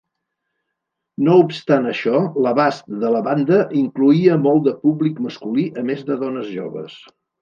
No obstant això, l'abast de la banda incloïa molt de públic masculí a més de dones joves.